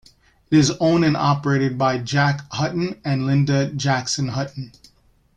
It is owned and operated by Jack Hutton and Linda Jackson-Hutton.